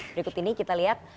berikut ini kita lihat